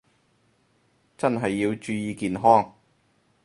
真係要注意健康